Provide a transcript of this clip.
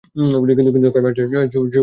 কিন্তু দেখ, আজ সবুজ রংটাও খারাপ লাগছে না।